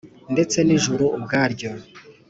Ndetse n ijuru ubwaryo